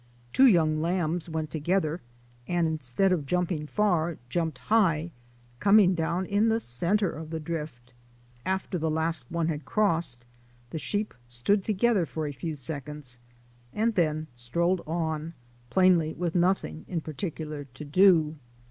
Two young lambs went together and instead of jumping far, jumped high, coming down in the centre of the drift. After the last one had crossed the sheep stood together for a few seconds and then strolled on, plainly with noth ing in particular to do.